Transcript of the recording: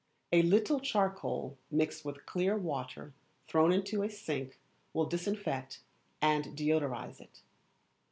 A little charcoal mixed with clear water thrown into a sink will disinfect and deodorize it.